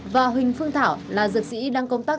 và huỳnh phương thảo là dược sĩ đang công tác